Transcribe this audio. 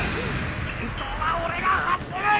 先頭はオレが走る！